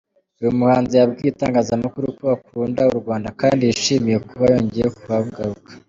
Uyu muhanzi yabwiye itangazamakuru ko akunda u Rwanda kandi yishimiye kuba yongeye kuhagaruka.